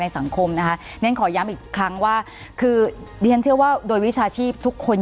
สังคมนะคะเรียนขอย้ำอีกครั้งว่าคือเรียนเชื่อว่าโดยวิชาชีพทุกคน